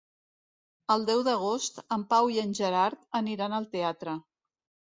El deu d'agost en Pau i en Gerard aniran al teatre.